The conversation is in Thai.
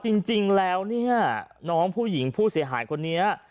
จริงแล้วเนี่ยน้องผู้หญิงผู้เสียหายคนนี้